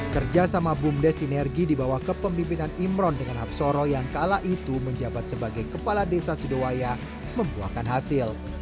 kerjasama bumdes sinergi di bawah kepemimpinan imron dengan habsoro yang kala itu menjabat sebagai kepala desa sidowaya membuahkan hasil